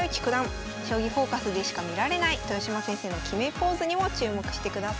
「将棋フォーカス」でしか見られない豊島先生の決めポーズにも注目してください。